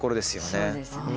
そうですね。